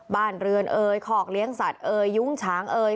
บ้านเรือนเอ่ยคอกเลี้ยงสัตว์เอ่ยยุ้งฉางเอ่ย